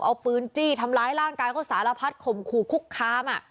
เอาปืนจี้ทำร้ายร่างกายเขาสารพัดข่มขู่คุกคาม